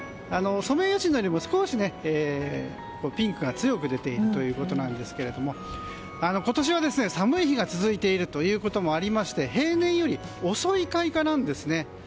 ソメイヨシノよりも少しピンクが強く出ているということですが今年は寒い日が続いているということもありまして平年より遅い開花なんですね。